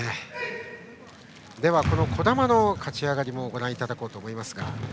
では児玉の勝ち上がりご覧いただこうと思います。